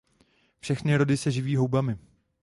Všechny rody se živí houbami.